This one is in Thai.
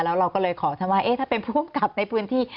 แล้วเราก็เลยขอท่านว่าถ้าเป็นผู้กำกับในพื้นที่